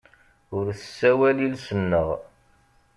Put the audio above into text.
Ur tessawal iles-nneɣ.